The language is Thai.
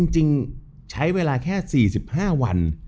จริงใช้เวลาแค่๔๕วัน